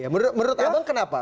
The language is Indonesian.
menurut abang kenapa